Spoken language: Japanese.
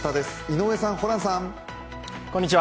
井上さん、ホランさん。